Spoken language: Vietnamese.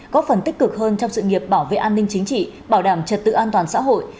có phần tích cực hơn trong sự nghiệp bảo vệ an ninh chính trị bảo đảm trật tự an toàn xã hội